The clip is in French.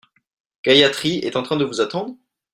Gayathri est en train de vous attendre ?